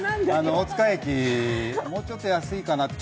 大塚駅、もうちょっと安いかなって。